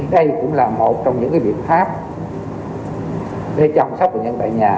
đây cũng là một trong những biện pháp để chăm sóc bệnh nhân tại nhà